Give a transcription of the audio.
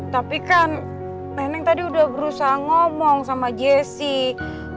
tapi kan nenek tadi udah berusaha ngomong sama jessie